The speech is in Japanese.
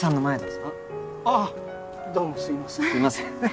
すいません。